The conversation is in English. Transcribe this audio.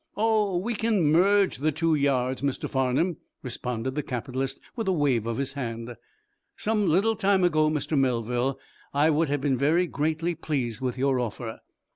"Oh, we can merge the two yards, Mr. Farnum," responded the capitalist, with a wave of his hand. "Some little time ago, Mr. Melville, I would have been very greatly pleased with your offer.